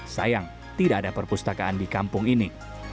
sayang tidak ada perpustakaan di kampung ini